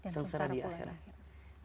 sengsara di akhirat